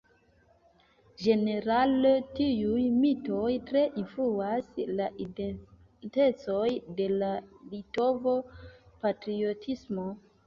Ĝenerale tiuj mitoj tre influas la identecon de la litova patriotismo.